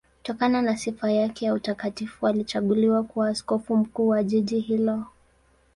Kutokana na sifa yake ya utakatifu alichaguliwa kuwa askofu mkuu wa jiji hilo.